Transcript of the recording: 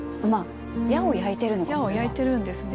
矢を焼いてるんですね。